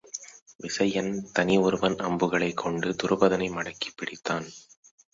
விசயன் தனி ஒருவன் அம்புகளைக் கொண்டு துருபதனை மடக்கிப் பிடித்தான்.